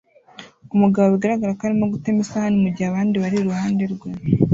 Umugabo bigaragara ko arimo gutema isahani mugihe abandi bari iruhande rwe